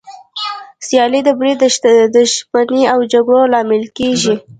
سیالي د بريد، دښمني او جګړو لامل کېږي.